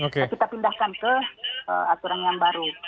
kita pindahkan ke aturan yang baru